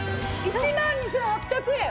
１万２８００円！